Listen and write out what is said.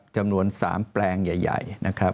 จำนวน๓แปลงใหญ่